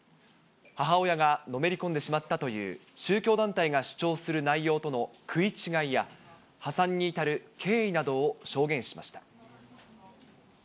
母親がのめり込んでしまったという宗教団体が主張する内容との食い違いや、破産に至る経緯などを証言しました。